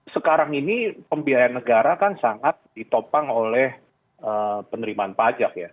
sekarang ini pembiayaan negara kan sangat ditopang oleh penerimaan pajak ya